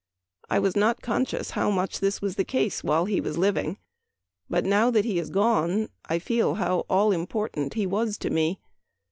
I was not conscious how much this was the case while he was living, but now that he is gone I feel how all important he was to me.